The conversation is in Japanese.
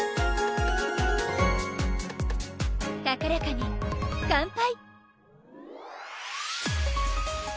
高らかに乾杯！